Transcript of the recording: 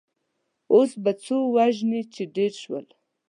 اوس به څو وژنې چې ډېر شول.